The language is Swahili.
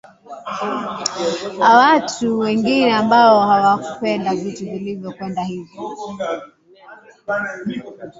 a watu wengi ambao hawakupenda vitu vilivyo kwenda hivi